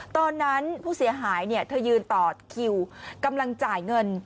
ตอนนั้นผู้เสียหายเธอยืนต่อคิวกำลังจ่ายเงิน